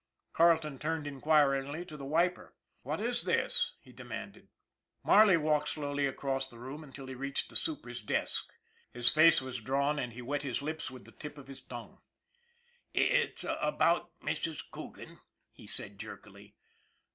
Carleton turned inquiringly to the wiper. "What is it?" he demanded. Marley walked slowly across the room until he reached the super's desk. His face was drawn, and he wet his lips with the tip of his tongue. " It's about Mrs. Coogan," he said jerkily.